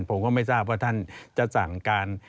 ผมก็ไม่ทราบว่าท่านจะสั่งการ